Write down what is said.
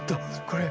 これ！